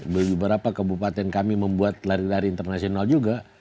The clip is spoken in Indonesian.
beberapa kebupaten kami membuat lari lari internasional juga